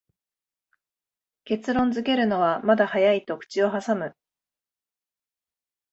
結論づけるのはまだ早いと口をはさむ